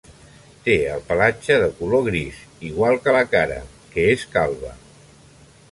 Té el pelatge de color gris, igual que la cara, que és calba.